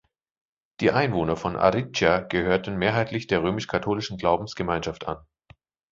Die Einwohner von Ariccia gehören mehrheitlich der römisch-katholischen Glaubensgemeinschaft an.